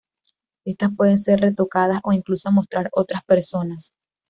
Estas pueden ser retocadas o incluso mostrar otras personas.